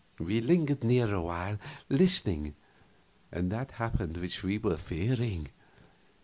We lingered near awhile, listening; and that happened which we were fearing.